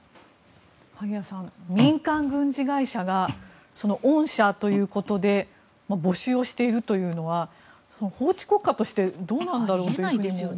萩谷さん、民間軍事会社が恩赦ということで募集しているというのは法治国家としてどうなんだろうと思うんですが。